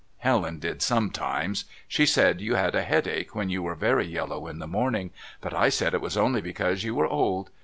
Helen did sometimes. She said you had a headache when you were very yellow in the morning, but I said it was only because you were old.